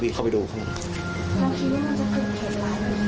แล้วคิดว่ามันจะเกิดเห็นร้านหรือเปล่า